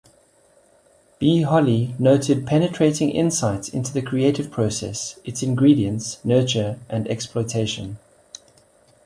B. Holley noted penetrating insights into the creative process, its ingredients, nurture and exploitation.